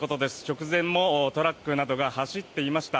直前もトラックなどが走っていました。